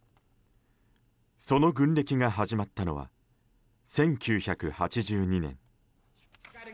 その軍歴が始まったのは１９８２年。